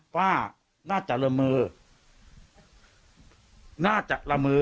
ป้าน่าจะระเมอ